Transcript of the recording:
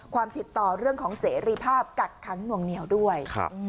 ความผิดต่อเรื่องของเสรีภาพกักค้างหน่วงเหนียวด้วย